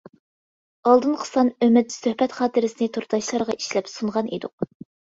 ئالدىنقى سان ئۈمىد سۆھبەت خاتىرىسىنى تورداشلارغا ئىشلەپ سۇنغان ئىدۇق.